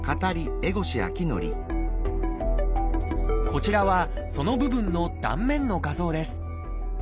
こちらはその部分の断面の画像です。